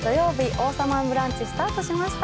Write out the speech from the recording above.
「王様のブランチ」スタートしました。